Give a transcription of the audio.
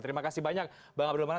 terima kasih banyak bang abdul mana